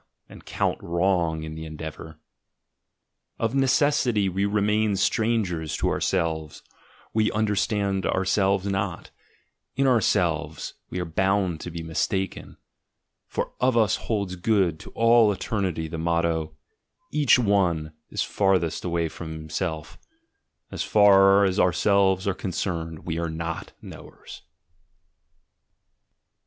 — and count wrong in the endeavour. Of necessity we re main strangers to ourselves, we understand ourselves not, in ourselves we are bound to be mistaken, for of us holds good to all eternity the motto, "Each one is the farthest away from himself" — as far as ourselves are concerned we are not "knowers."